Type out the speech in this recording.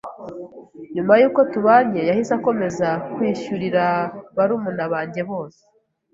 nyuma yuko tubanye yahise akomeza kwishyurira barumuna banjye bose